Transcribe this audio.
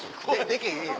できへんやん。